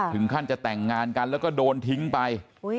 ถึงขั้นจะแต่งงานกันแล้วก็โดนทิ้งไป